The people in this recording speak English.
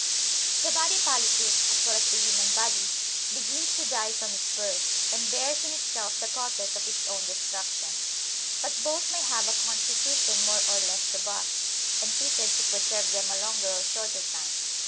The body politic, as well as the human body, begins to die from its birth, and bears in itself the causes of its own destruction. But both may have a constitution more or less robust, and fitted to preserve them a longer or shorter time.